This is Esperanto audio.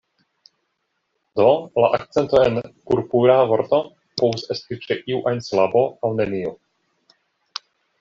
Do, la akcento en "Purpura" vorto povus esti ĉe iu ajn silabo aŭ neniu.